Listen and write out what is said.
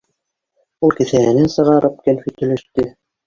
Ул кеҫәһенән сығарып кәнфит өләште.